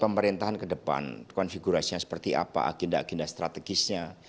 pemerintahan ke depan konfigurasinya seperti apa agenda agenda strategisnya